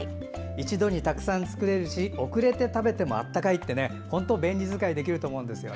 一度にたくさん作れるし遅れて食べても温かいって便利使いできると思うんです。